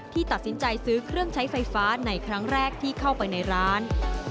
ตัดสินใจซื้อเครื่องใช้ไฟฟ้าในครั้งแรกที่เข้าไปในร้าน